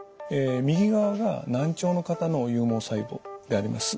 右側が難聴の方の有毛細胞であります。